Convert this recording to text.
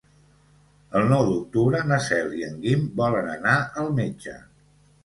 El nou d'octubre na Cel i en Guim volen anar al metge.